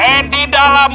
eh di dalam